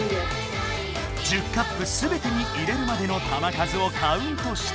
１０カップすべてに入れるまでの球数をカウントした。